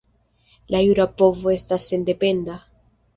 La jura povo estas sendependa.